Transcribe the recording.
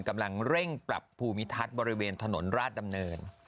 กำลังเร่งปรับภูมิทัศน์บริเวณถนนราชดำเนิน